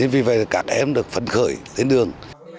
vì vậy các em được phấn khởi lên đường